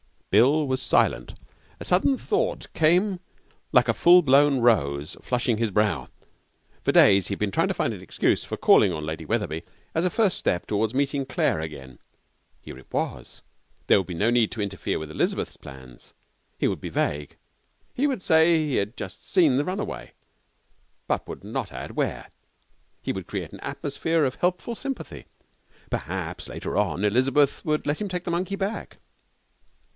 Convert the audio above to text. Bill was silent. 'Sudden a thought came like a full blown rose, flushing his brow.' For days he had been trying to find an excuse for calling on Lady Wetherby as a first step toward meeting Claire again. Here it was. There would be no need to interfere with Elizabeth's plans. He would be vague. He would say he had just seen the runaway, but would not add where. He would create an atmosphere of helpful sympathy. Perhaps, later on, Elizabeth would let him take the monkey back.